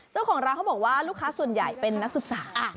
เจ้าของร้านเขาบอกว่าลูกค้าส่วนใหญ่เป็นนักศึกษา